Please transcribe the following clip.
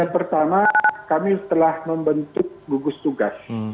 pertama kami telah membentuk gugus tugas